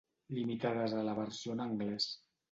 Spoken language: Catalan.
Limitades a la versió en anglès.